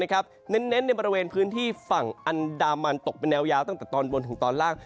เน้นในบริเวณพื้นที่ฝั่งอันดามันตกเป็นแนวยาวตั้งแต่ตอนบนถึงตอนล่าง